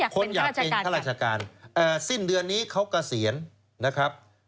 คนอยากเป็นข้าราชการสิ้นเดือนนี้เขาเกษียณนะครับ